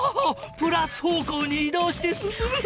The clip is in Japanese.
プラス方向にい動して進む。